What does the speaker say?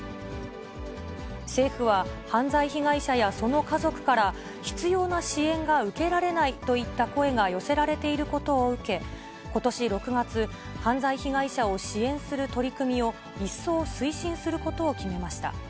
政府は、犯罪被害者やその家族から必要な支援が受けられないといった声が寄せられていることを受け、ことし６月、犯罪被害者を支援する取り組みを一層推進することを決めました。